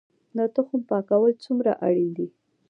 د تخم پاکول څومره اړین دي؟